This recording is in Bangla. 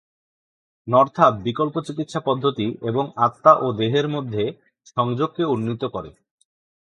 নর্থাপ বিকল্প চিকিৎসা পদ্ধতি এবং আত্মা ও দেহের মধ্যে সংযোগকে উন্নীত করে।